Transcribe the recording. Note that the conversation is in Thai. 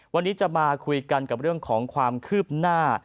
วันนี้จะมาคุยกันกับเรื่องของความคืบหน้า